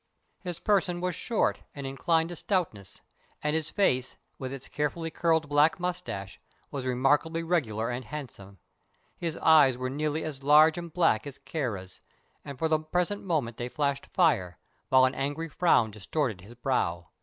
His person was short and inclined to stoutness, and his face, with its carefully curled black mustache, was remarkably regular and handsome. His eyes were nearly as large and black as Kāra's, and at the present moment they flashed fire, while an angry frown distorted his brow.